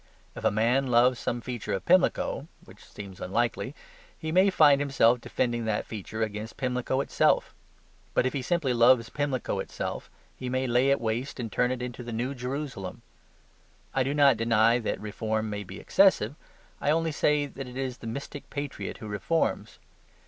If a man loves some feature of Pimlico (which seems unlikely), he may find himself defending that feature against Pimlico itself. But if he simply loves Pimlico itself, he may lay it waste and turn it into the New Jerusalem. I do not deny that reform may be excessive; I only say that it is the mystic patriot who reforms.